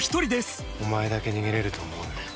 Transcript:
お前だけ逃げれると思うなよ。